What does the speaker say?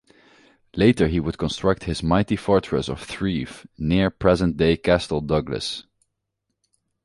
Later he would construct his mighty fortress of Thrieve, near present-day Castle Douglas.